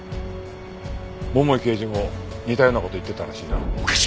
桃井刑事も似たような事言ってたらしいな。